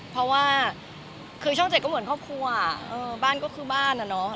เพราะว่าคือช่องเจ็ดก็เหมือนครอบครัวบ้านก็คือบ้านอะเนาะ